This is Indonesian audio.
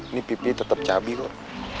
ini pipinya tetep cabi kok